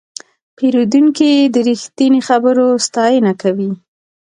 پیرودونکی د رښتیني خبرو ستاینه کوي.